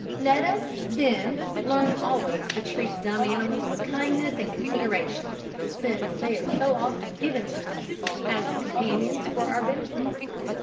Let us, then, learn always to treat dumb animals with kindness and consideration, since they are so often given to us as companions for our benefit.